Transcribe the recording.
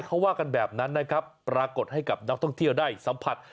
เขาว่ากันแบบนั้นนะครับปรากฏให้กับนักท่องเที่ยวได้สัมผัส